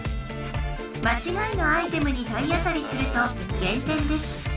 まちがいのアイテムに体当たりするとげん点です。